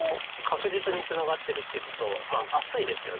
確実にツナがってるっていうのと厚いですよね。